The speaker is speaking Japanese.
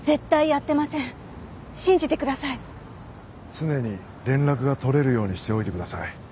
常に連絡が取れるようにしておいてください。